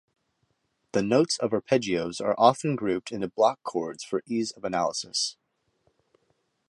The notes of arpeggios are often grouped into block chords for ease of analysis.